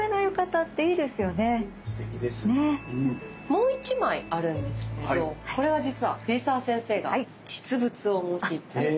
もう一枚あるんですけどこれは実は藤澤先生が実物をお持ち。